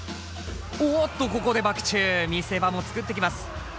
おっとここでバク宙見せ場も作ってきます。